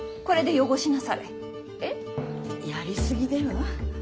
やり過ぎでは？